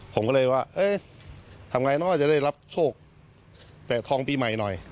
ผมก็เลยว่าเอ๊ะทำไงเนอะว่าจะได้รับโชคแตะทองปีใหม่หน่อย